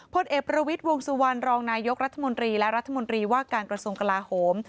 พลเอกประวิทย์วงสุวรรณรองนายกรัฐมนตรีและรัฐมนตรีว่าการกระทรวงกลาโหม